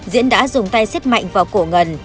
diễn đã dùng tay xếp mạnh vào cổ ngân